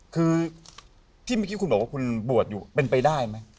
คือที่เมื่อกี้คุณบอกว่าคุณบวชอยู่เป็นไปได้ไหม